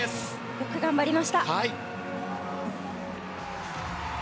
よく頑張りました。